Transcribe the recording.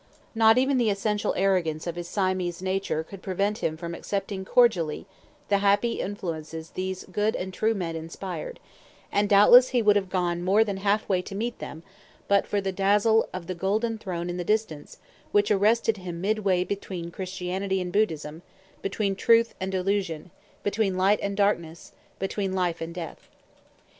Not even the essential arrogance of his Siamese nature could prevent him from accepting cordially the happy influences these good and true men inspired; and doubtless he would have gone more than half way to meet them, but for the dazzle of the golden throne in the distance which arrested him midway between Christianity and Buddhism, between truth and delusion, between light and darkness, between life and death.